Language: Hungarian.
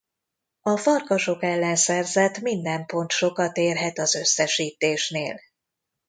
A Farkasok ellen szerzett minden pont sokat érhet az összesítésnél.